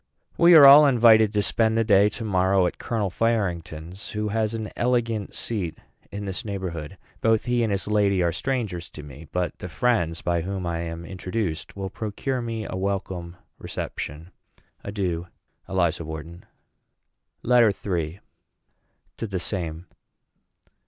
We are all invited to spend the day to morrow at Colonel Farington's, who has an elegant seat in this neighborhood. Both he and his lady are strangers to me; but the friends by whom I am introduced will procure me a welcome reception. Adieu. ELIZA WHARTON. LETTER III. TO THE SAME.